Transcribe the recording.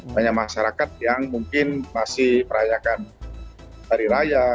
banyak masyarakat yang mungkin masih merayakan hari raya